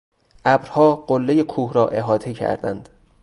ابرها قلهی کوه را احاطه کردند.